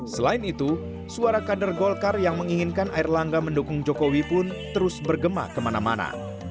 selain itu suara kader golkar yang menginginkan air langga mendukung jokowi pun terus bergema kemana mana